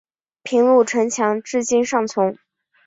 平鲁城墙至今尚存。